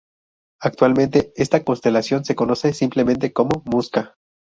Actualmente, esta constelación se conoce simplemente como "Musca".